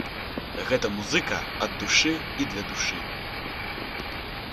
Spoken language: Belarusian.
Гэта музыка ад душы і для душы.